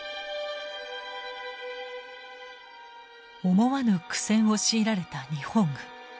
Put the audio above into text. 思わぬ苦戦を強いられた日本軍。